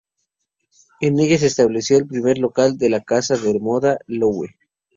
En ella se estableció el primer local de la casa de moda Loewe.